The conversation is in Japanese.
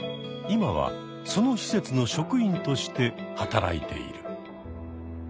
今はその施設の職員として働いている。